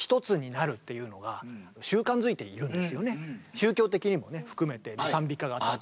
宗教的にもね含めて賛美歌があったり。